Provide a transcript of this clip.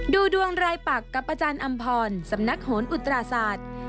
ดูดวงรายปักกับอาจารย์อำพรสำนักโหนอุตราศาสตร์